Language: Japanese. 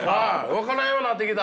分からんようなってきた。